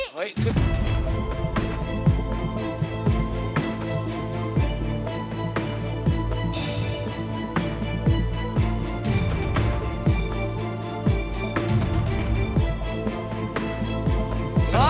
เฮ้ย